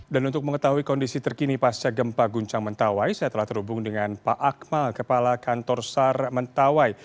untuk mengetahui kondisi terkini pasca gempa guncang mentawai saya telah terhubung dengan pak akmal kepala kantor sar mentawai